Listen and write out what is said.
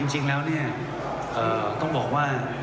จริงแล้วเนี่ยเอ่อต้องบอกว่า